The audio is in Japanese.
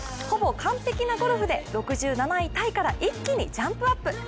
ほぼ完璧なゴルフで６７位タイから一気にジャンプアップ。